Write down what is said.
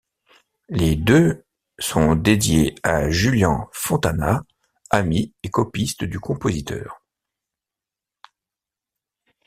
Les deux sont dédiées à Julian Fontana ami et copiste du compositeur.